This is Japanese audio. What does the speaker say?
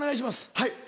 はい。